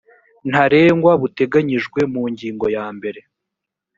ntarengwa buteganyijwe mu ngingo ya mbere